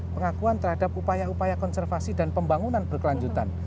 pengakuan terhadap upaya upaya konservasi dan pembangunan berkelanjutan